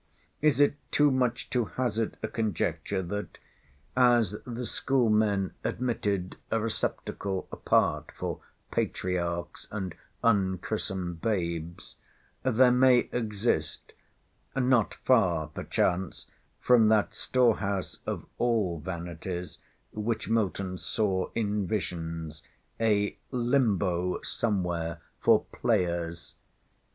Is it too much to hazard a conjecture, that (as the school men admitted a receptacle apart for Patriarchs and un chrisom Babes) there may exist—not far perchance from that storehouse of all vanities, which Milton saw in visions—a LIMBO somewhere for PLAYERS?